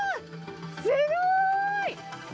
すごい！